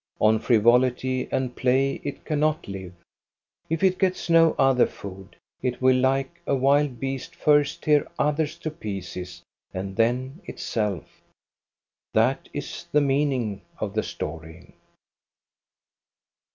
On frivolity and play it cannot live. If it gets no other food, it will like a wild beast first tear others to pieces and then itself. That is the meaning of the story.